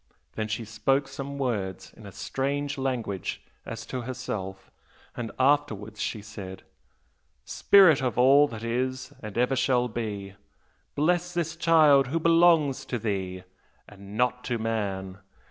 Then she spoke some words in a strange language as to herself, and afterwards she said, 'Spirit of all that is and ever shall be, bless this child who belongs to thee, and not to man!